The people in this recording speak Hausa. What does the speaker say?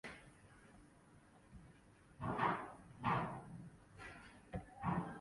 Wannan daya shine karamin mataki ga mutum, tsalle tsayi ga 'yan Babangida.